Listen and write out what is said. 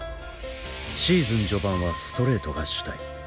シーズン序盤はストレートが主体。